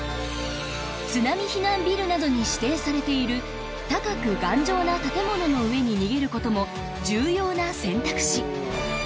津波避難ビルなどに指定されている高く頑丈な建物の上に逃げることも重要な選択肢